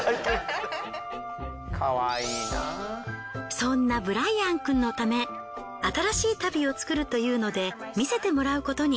そんなブライアンくんのため新しい足袋を作るというので見せてもらうことに。